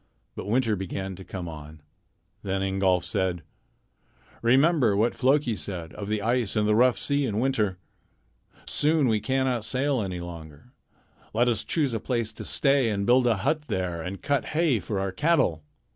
But winter began to come on. Then Ingolf said: "Remember what Floki said of the ice and the rough sea in winter. Soon we cannot sail any longer. Let us choose a place to stay and build a hut there and cut hay for our cattle."